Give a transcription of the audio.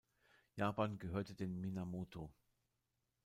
Japan gehörte den Minamoto.